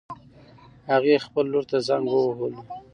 هغې خپل لور ته زنګ ووهله